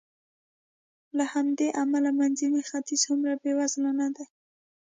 له همدې امله منځنی ختیځ هومره بېوزله نه دی.